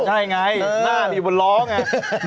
ใช่ไงหน้านี่บนล้อไง